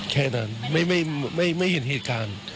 แค่นั้นไม่เห็นเหตุการณ์